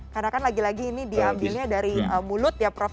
karena kan lagi lagi ini diambilnya dari mulut ya prof